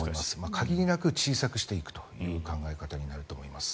限りなく小さくしていくという考え方になると思います。